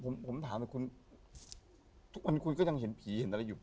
ผมผมถามเลยคุณทุกวันคุณก็ยังเห็นผีเห็นอะไรอยู่